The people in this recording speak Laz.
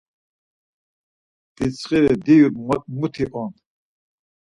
Dintsxiri diyu muti on.